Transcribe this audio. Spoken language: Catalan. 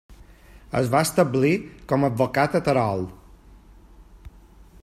Es va establir com a advocat a Terol.